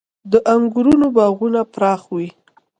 • د انګورو باغونه پراخ وي.